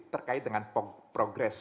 terkait dengan progres